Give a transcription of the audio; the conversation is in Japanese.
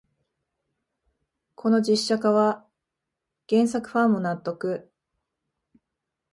この実写化は原作ファンも納得